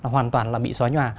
hoàn toàn là bị xóa nhòa